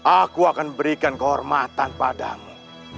aku akan berikan kehormatan padamu